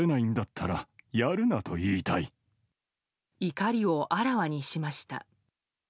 怒りをあらわにしました。